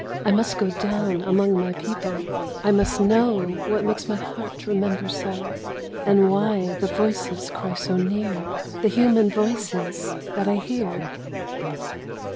I must go down Among my people, I must know What makes my heart remember so, And why the voices cry so near, The human voices that I hear